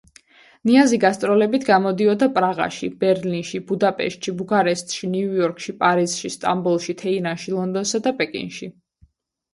ნიაზი გასტროლებით გამოდიოდა პრაღაში, ბერლინში, ბუდაპეშტში, ბუქარესტში, ნიუ-იორკში, პარიზში, სტამბოლში, თეირანში, ლონდონსა და პეკინში.